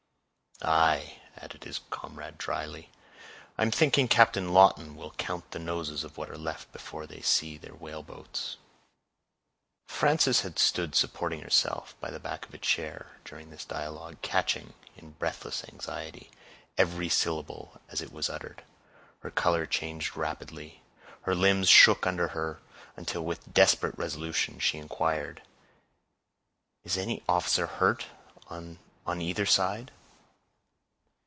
"Aye," added his comrade dryly, "I'm thinking Captain Lawton will count the noses of what are left before they see their whaleboats." Frances had stood supporting herself, by the back of a chair, during this dialogue, catching, in breathless anxiety, every syllable as it was uttered; her color changed rapidly; her limbs shook under her; until, with desperate resolution, she inquired,— "Is any officer hurt on—the—on either side?"